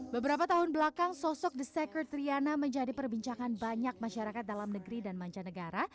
beberapa tahun belakang sosok the sector triana menjadi perbincangan banyak masyarakat dalam negeri dan mancanegara